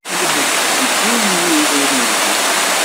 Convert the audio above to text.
Teddeggirem wid ur nelhi.